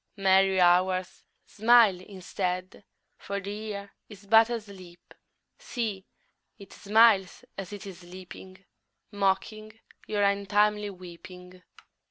Merry Hours, smile instead, For the Year is but asleep. See, it smiles as it is sleeping, _5 Mocking your untimely weeping.